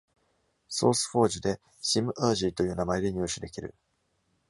SourceForge で「Simergy」という名前で入手できる。